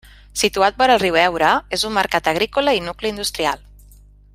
Situat vora el riu Eure, és un mercat agrícola i nucli industrial.